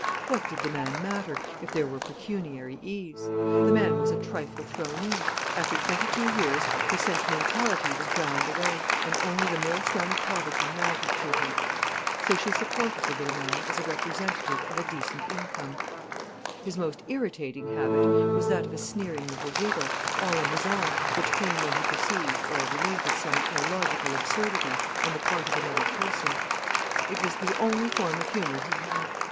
What did the man matter, if there were pecuniary ease! The man was a trifle thrown in. After twenty two years her sentimentality was ground away, and only the millstone of poverty mattered to her. So she supported the little man as a representative of a decent income. His most irritating habit was that of a sneering little giggle, all on his own, which came when he perceived or related some illogical absurdity on the part of another person. It was the only form of humour he had.